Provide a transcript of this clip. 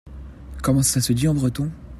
Comment ça se dit en breton ?